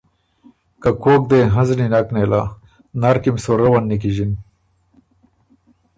که کوک دې هنزنی نېله، نر کی م سُو روّن نیکیݫِن